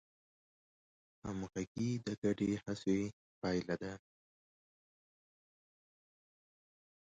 همغږي د ګډې هڅې پایله ده.